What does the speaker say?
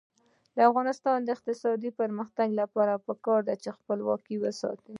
د افغانستان د اقتصادي پرمختګ لپاره پکار ده چې خپلواکي وساتو.